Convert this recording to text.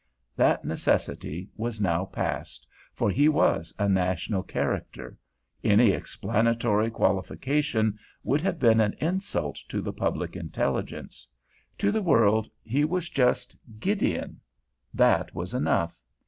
That necessity was now past, for he was a national character; any explanatory qualification would have been an insult to the public intelligence. To the world he was just "Gideon"; that was enough.